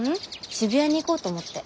渋谷に行こうと思って。